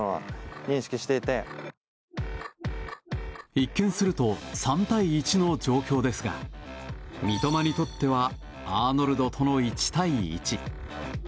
一見すると３対１の状況ですが三笘にとってはアーノルドとの１対１。